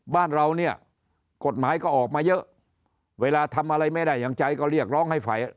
บ้านเราเนี่ยกฎหมายก็ออกมาเยอะเวลาทำอะไรไม่ได้อย่างใจก็เรียกร้องให้ฝ่าย